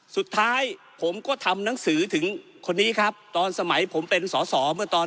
สุดท้ายผมก็ทำนังสือถึงคนนี้ครับตอนสมัยผมเป็นตอน